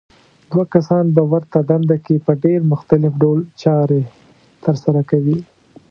دوه کسان په ورته دنده کې په ډېر مختلف ډول چارې ترسره کوي.